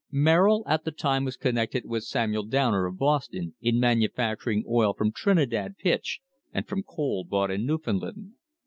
Merrill at the time was connected with Samuel Downer, of Boston, in manufacturing oil from Trinidad pitch and from coal bought in Newfoundland.